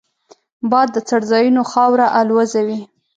باد د څړځایونو خاوره الوزوي